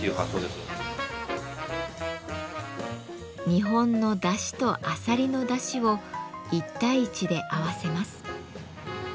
日本のだしとあさりのだしを１対１で合わせます。